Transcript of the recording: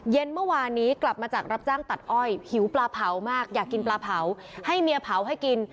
เมื่อวานนี้กลับมาจากรับจ้างตัดอ้อยหิวปลาเผามากอยากกินปลาเผาให้เมียเผาให้กิน